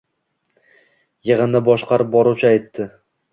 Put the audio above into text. yig'inni boshqarib boruvchi aytdi: